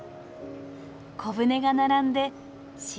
小舟が並んで静か。